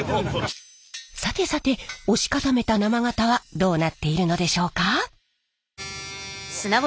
さてさて押し固めた生型はどうなっているのでしょうか？